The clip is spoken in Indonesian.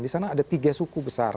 di sana ada tiga suku besar